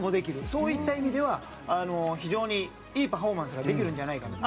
そういった意味では非常にいいパフォーマンスができるんじゃないかなと。